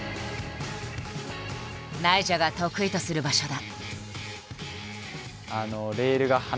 ナイジャが得意とする場所だ。